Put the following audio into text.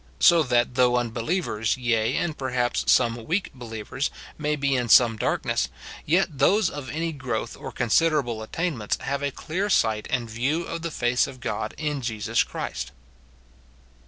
So that though unbelievers, yea, and perhaps some weak believers, may be in some dark ness, yet those of any growth Or considerable attain ments have a clear sight and view of the face of God in Jesus Christ."